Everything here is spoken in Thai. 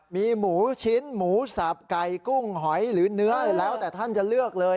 มีหมูชิ้นหมูสับไก่กุ้งหอยหรือเนื้อแล้วแต่ท่านจะเลือกเลย